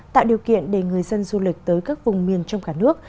tạo điều kiện để người dân du lịch tới các vùng miền trong cả nước